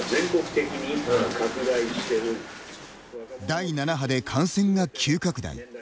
第７波で感染が急拡大。